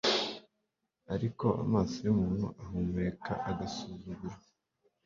Ariko amaso yumuntu ahumeka agasuzuguro